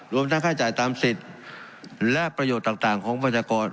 รวมทั้งค่าจ่ายตามสิทธิ์และประโยชน์ต่างของประชากร